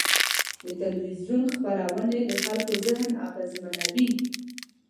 د تلویزیون خپرونې د خلکو ذهن اغېزمنوي.